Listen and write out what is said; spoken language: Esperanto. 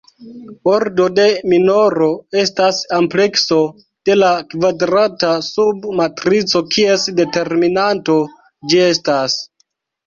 Ordo de minoro estas amplekso de la kvadrata sub-matrico kies determinanto ĝi estas.